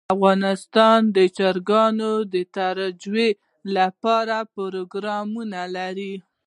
افغانستان د چرګانو د ترویج لپاره پروګرامونه لري.